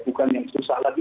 bukan yang susah lagi